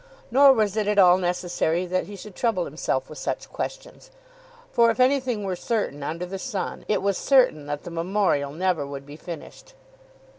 Nor was it at all necessary that he should trouble himself with such questions, for if anything were certain under the sun, it was certain that the Memorial never would be finished.